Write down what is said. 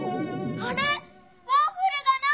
あれ？